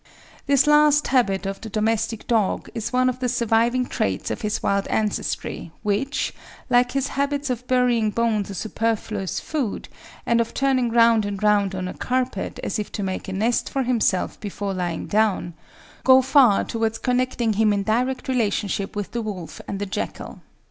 This last habit of the domestic dog is one of the surviving traits of his wild ancestry, which, like his habits of burying bones or superfluous food, and of turning round and round on a carpet as if to make a nest for himself before lying down, go far towards connecting him in direct relationship with the wolf and the jackal.